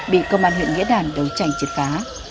bị công an huyện nghĩa đàn đấu tranh triệt phá